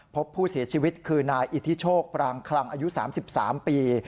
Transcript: พบผู้เสียชีวิตคือนายอิทธิโชคปรางคลังอายุ๓๓ปี